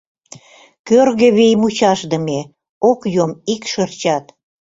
Кӧргӧ вий — мучашдыме, ок йом ик шырчат.